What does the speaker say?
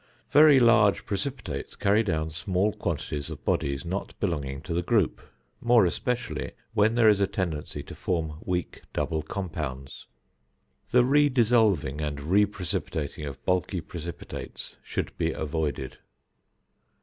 Very large precipitates carry down small quantities of bodies not belonging to the group, more especially when there is a tendency to form weak double compounds. The re dissolving and re precipitating of bulky precipitates should be avoided.